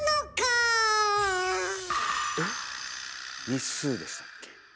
日数でしたっけ。